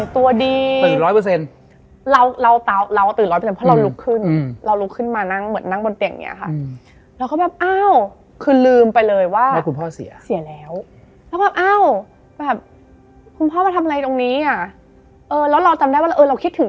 ไปถึงนั่งรถกลับไปโรงแรม